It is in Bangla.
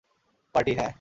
পার্টি, হ্যাঁ।